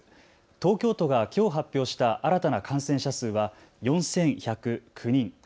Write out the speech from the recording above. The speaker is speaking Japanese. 東京都がきょう発表した新たな感染者数は４１０９人。